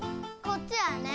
こっちはね